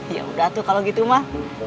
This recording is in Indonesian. ya udah tuh kalau gitu mah